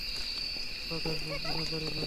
বলার দরকার মনে করিনা।